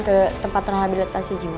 ke tempat rehabilitasi jiwa